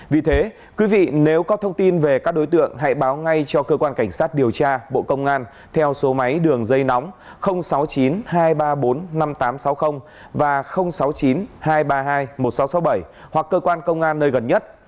vì thế quý vị nếu có thông tin về các đối tượng hãy báo ngay cho cơ quan cảnh sát điều tra bộ công an theo số máy đường dây nóng sáu mươi chín hai trăm ba mươi bốn năm nghìn tám trăm sáu mươi và sáu mươi chín hai trăm ba mươi hai một nghìn sáu trăm sáu mươi bảy hoặc cơ quan công an nơi gần nhất